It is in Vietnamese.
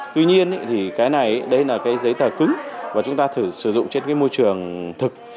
tuy nhiên cái này là giấy tờ cứng và chúng ta sử dụng trên môi trường thực